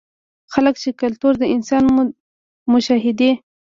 ځکه چې کلتور د انسان د مشاهدې